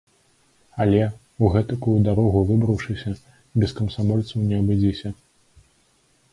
Але, у гэтакую дарогу выбраўшыся, без камсамольцаў не абыдзіся.